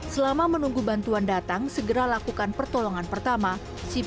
selama menunggu bantuan datang segera lakukan pertolongan pertama